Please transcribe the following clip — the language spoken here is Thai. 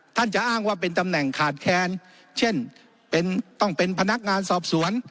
จะอ้างว่าเป็นตำแหน่งขาดแค้นเช่นต้องเป็นพนักงานสอบสวน